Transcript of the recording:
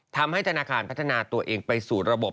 ทำให้ธนาคารพัฒนาตัวเองไปสู่ระบบ